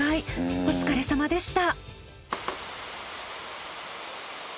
お疲れさまでした。